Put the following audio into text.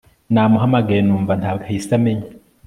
Naramuhamagaye numva ntabwo ahise amenya